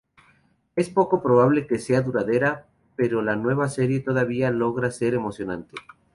Es poco probable que sea duradera, pero la nueva serie todavía logra ser emocionante".